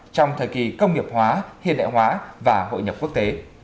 trong thời kỳ công nghiệp hóa hiện đại hóa và hội nhập quốc tế